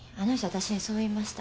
私にそう言いました。